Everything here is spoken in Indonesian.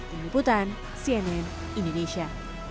penyimputan cnn indonesia